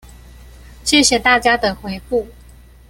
謝謝大家的回覆